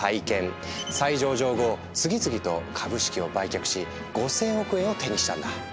再上場後次々と株式を売却し５，０００億円を手にしたんだ。